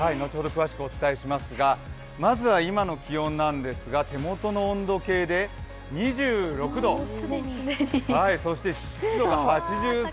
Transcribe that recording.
詳しくお伝えしますが、まずは今の気温なんですが手元の温度計で２６度そして湿度が８３％。